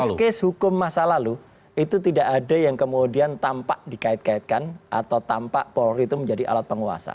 proses case hukum masa lalu itu tidak ada yang kemudian tampak dikait kaitkan atau tampak polri itu menjadi alat penguasa